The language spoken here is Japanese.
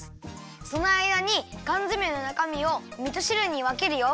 そのあいだにかんづめのなかみをみとしるにわけるよ。